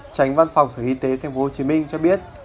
tránh văn phòng sở y tế tp hcm cho biết